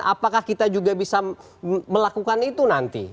apakah kita juga bisa melakukan itu nanti